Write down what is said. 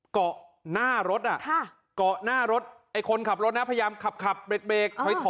เกาะหน้ารถเกาะหน้ารถไอ้คนขับรถนะพยายามขับเบรกถอย